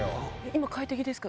今快適ですか？